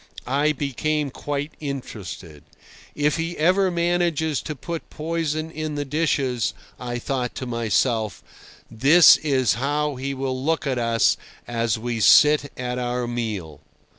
I became quite interested. If he ever manages to put poison in the dishes, I thought to myself, this is how he will look at us as we sit at our meal.